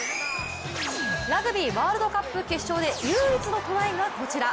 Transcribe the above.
ラグビーワールドカップ決勝で唯一のトライがこちら。